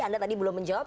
anda tadi belum menjawab